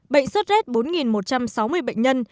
bệnh sốt rét bốn một trăm sáu mươi bệnh nhân